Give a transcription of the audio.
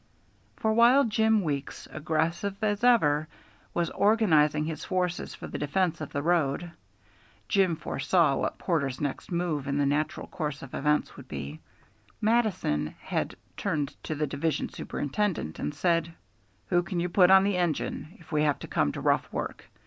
For while Jim Weeks, aggressive as ever, was organizing his forces for the defence of the road (Jim foresaw what Porter's next move in the natural course of events would be), Mattison had turned to the division superintendent, and said: "Who can you put on the engine, if we have to come to rough work?